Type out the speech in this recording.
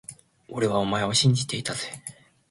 俺はお前を信じていたぜ…